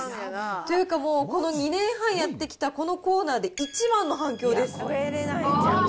というかもう、この２年半やってきたこのコーナーで、一番の反響です。